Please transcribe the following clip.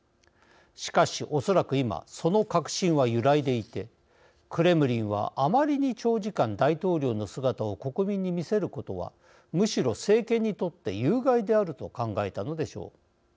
しかしおそらく今、その確信は揺らいでいて、クレムリンはあまりに長時間、大統領の姿を国民に見せることはむしろ政権にとって有害であると考えたのでしょう。